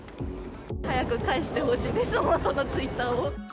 早く返してほしいです、元のツイッターを。